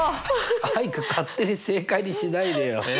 アイク勝手に正解にしないでよ。え？